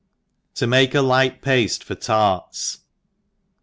^0 male a light Paste for Tarts.